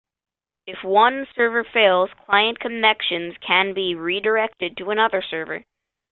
If one server fails, client connections can be re-directed to another server.